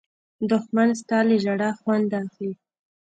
دښمن ستا له ژړا خوند اخلي